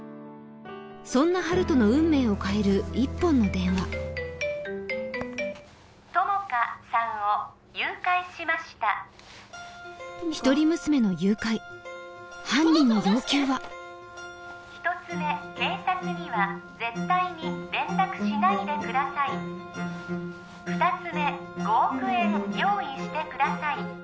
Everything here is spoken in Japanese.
そんな温人の友果さんを誘拐しました一人娘の誘拐犯人の要求は一つ目警察には絶対に連絡しないでください二つ目５億円用意してください